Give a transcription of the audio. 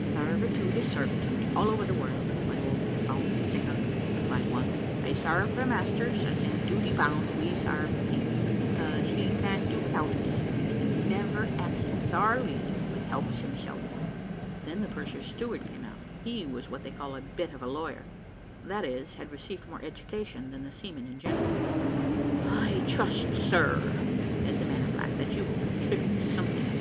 "Sarvitude is sarvitude all over the world, my old psalm singer," replied one. "They sarve their masters, as in duty bound; we sarve the King, 'cause he can't do without us and he never axes our leave, but helps himself." Then the purser's steward came out; he was what they call a bit of a lawyer, that is, had received more education than the seamen in general. "I trust, sir," said the man in black, "that you will contribute something."